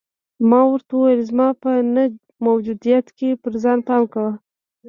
ما ورته وویل: زما په نه موجودیت کې پر ځان پام کوه.